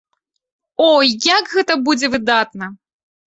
О, як гэта будзе выдатна!